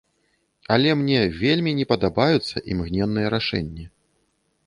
Але мне вельмі не падабаюцца імгненныя рашэнні.